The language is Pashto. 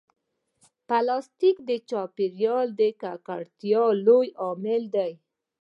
پلاستيک د چاپېریال د ککړتیا لوی لامل دی.